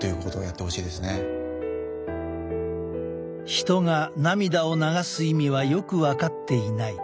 ヒトが涙を流す意味はよく分かっていない。